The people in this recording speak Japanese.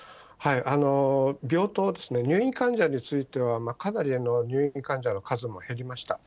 病棟、入院患者については、かなり入院患者の数も減りました。